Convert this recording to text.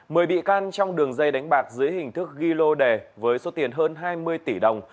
mờ bị can trong đường dây đánh bạc dưới hình thức ghi lô đề với số tiền hơn hai mươi tỷ đồng